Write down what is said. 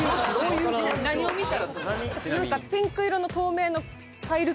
何を見たら？